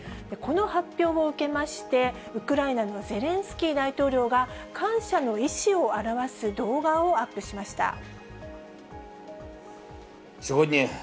この発表を受けまして、ウクライナのゼレンスキー大統領が、感謝の意思を表す動画をアップしました。